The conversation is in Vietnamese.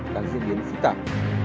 đã diễn biến phí tạp